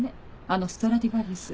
あのストラディバリウス。